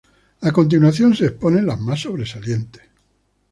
A continuación se exponen las más sobresalientes.